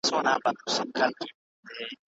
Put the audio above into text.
د همزولو وه ولاړه